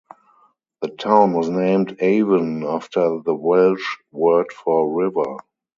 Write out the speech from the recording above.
The town was named Avon after the Welsh word for river.